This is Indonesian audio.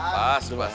pas tuh pas